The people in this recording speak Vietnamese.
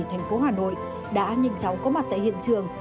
thành phố hà nội đã nhìn cháu có mặt tại hiện trường